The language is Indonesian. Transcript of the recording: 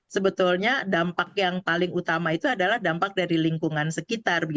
sebetulnya dampak yang paling utama itu adalah dampak dari lingkungan sekitar